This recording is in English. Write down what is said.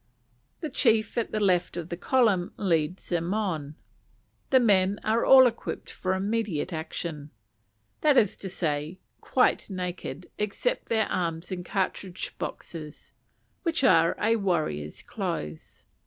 The chief at the left of the column leads them on. The men are all equipped for immediate action; that is to say, quite naked except their arms and cartridge boxes, which are a warrior's clothes.